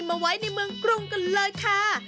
มาไว้ในเมืองกรุงกันเลยค่ะ